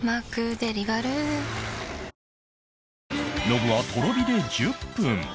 ノブはとろ火で１０分